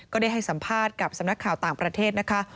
ได้ให้สัมภาษณ์กับสำนักข่าวต่างประเทศนะคะ